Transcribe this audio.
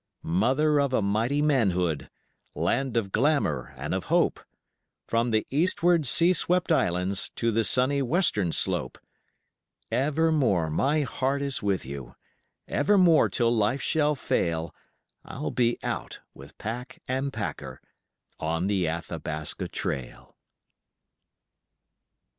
Mother of a mighty manhood, land of glamour and of hope, From the eastward sea swept islands to the sunny western slope, Ever more my heart is with you, ever more till life shall fail I'll be out with pack and packer on the Athabasca Trail.